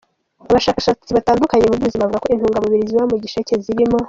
Abashakashatsi batandukanye mu by’ubuzima bavuga ko intungamubiri ziba mu gisheke zirimo:.